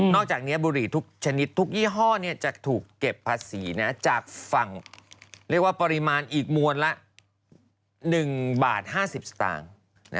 จากนี้บุหรี่ทุกชนิดทุกยี่ห้อจะถูกเก็บภาษีจากฝั่งเรียกว่าปริมาณอีกมวลละ๑บาท๕๐สตางค์